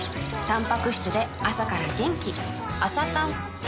たんぱく質で朝から元気